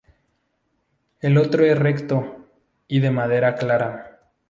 El otro es recto y de madera clara.